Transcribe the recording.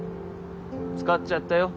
使っちゃったよ